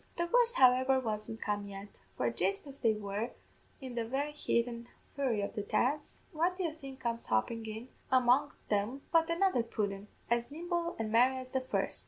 The worst, however, wasn't come yet, for jist as they were in the very heat an' fury of the dance, what do you think comes hoppin' in among them but another pudden, as nimble an' merry as the first!